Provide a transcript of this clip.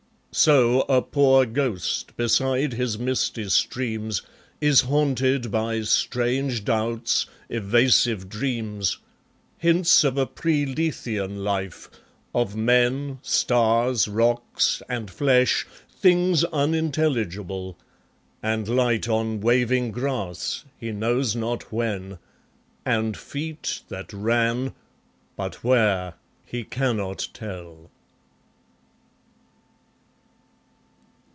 So a poor ghost, beside his misty streams, Is haunted by strange doubts, evasive dreams, Hints of a pre Lethean life, of men, Stars, rocks, and flesh, things unintelligible, And light on waving grass, he knows not when, And feet that ran, but where, he cannot tell.